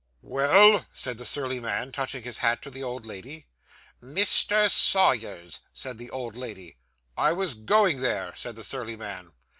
'Well?' said the surly man, touching his hat to the old lady. 'Mr. Sawyer's,' said the old lady. 'I was going there,' said the surly man.